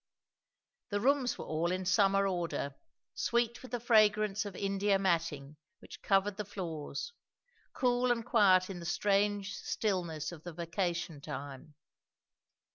The rooms were all in summer order; sweet with the fragrance of India matting, which covered the floors; cool and quiet in the strange stillness of the vacation time.